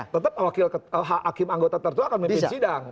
tetap hakim anggota tertua akan memimpin sidang